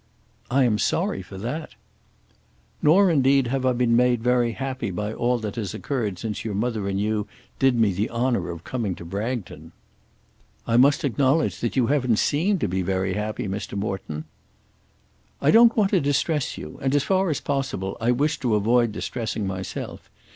"I am sorry for that." "Nor, indeed, have I been made very happy by all that has occurred since your mother and you did me the honour of coming to Bragton." "I must acknowledge you haven't seemed to be very happy, Mr. Morton." "I don't want to distress you; and as far as possible I wish to avoid distressing myself.